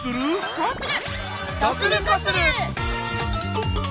こうする！